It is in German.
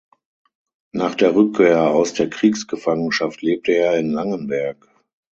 Nach der Rückkehr aus der Kriegsgefangenschaft lebte er in Langenberg.